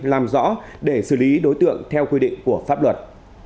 làm rõ để xử lý đối tượng theo quy định của pháp luật